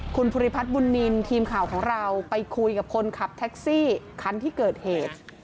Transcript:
คุณภูริพัฒน์บุญนินทีมข่าวของเราไปคุยกับคนขับแท็กซี่คันที่เกิดเหตุ